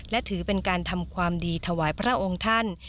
และถือเป็นการทำความดีถวายพระองค์ท่าน